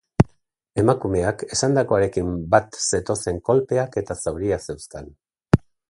Emakumeak esandakoarekin bat zetozen kolpeak eta zauriak zeuzkan.